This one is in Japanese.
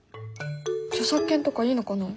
著作権とかいいのかな？